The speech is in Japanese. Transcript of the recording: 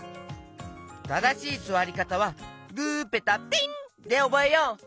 ただしいすわりかたは「グーペタピン」でおぼえよう！